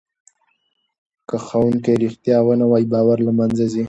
که ښوونکی رښتیا ونه وایي باور له منځه ځي.